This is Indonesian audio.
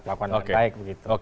perlakukan yang baik begitu